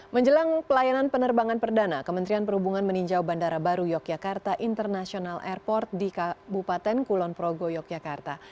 menjelang pelayanan penerbangan perdana kementerian perhubungan meninjau bandara baru yogyakarta international airport di kabupaten kulon progo yogyakarta